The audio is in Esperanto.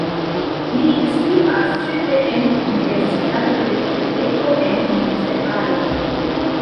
Li instruas ĉefe en Universitato de Kebeko en Montrealo.